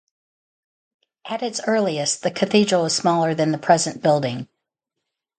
At its earliest the cathedral was smaller than the present building.